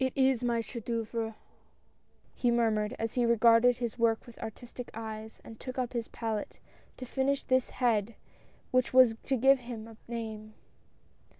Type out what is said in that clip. "It is my chef d"" oeuvre ! he murmured, as he re garded his work with artistic eyes, and took up his palette to finish this head which was to give him a name.